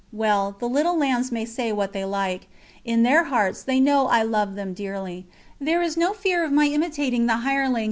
Well, the little lambs may say what they like in their hearts they know I love them dearly; there is no fear of my imitating "the hireling